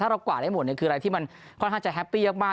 เรากวาดได้หมดคืออะไรที่มันค่อนข้างจะแฮปปี้มาก